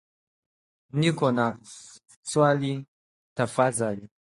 Niko na swali tafadhali